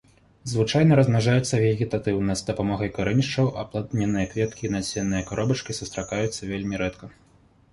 Звычайна размнажаецца вегетатыўна з дапамогай карэнішчаў, аплодненыя кветкі і насенныя каробачкі сустракаюцца вельмі рэдка.